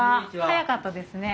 早かったですね。